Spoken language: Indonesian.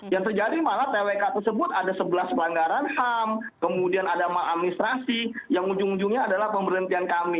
yang terjadi malah twk tersebut ada sebelas pelanggaran ham kemudian ada maladministrasi yang ujung ujungnya adalah pemberhentian kami